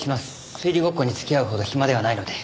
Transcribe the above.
推理ごっこに付き合うほど暇ではないので。